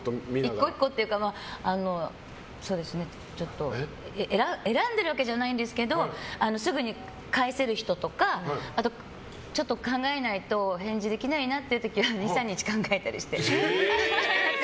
１個１個っていうか選んでるわけじゃないんですけどすぐに返せる人とかあと、考えないとお返事できないなって時は２３日考えたりして。